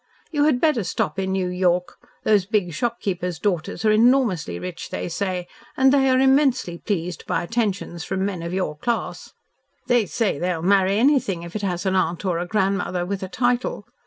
You had better stop in New York. Those big shopkeepers' daughters are enormously rich, they say, and they are immensely pleased by attentions from men of your class. They say they'll marry anything if it has an aunt or a grandmother with a title.